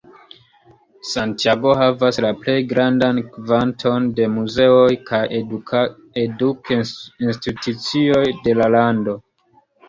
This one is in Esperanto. Santiago havas la plej grandan kvanton de muzeoj kaj eduk-institucioj de la lando.